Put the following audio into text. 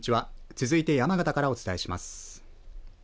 続いて山形からお伝えします。